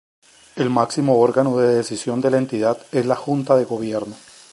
El máximo órgano de decisión de la Entidad es la Junta de Gobierno.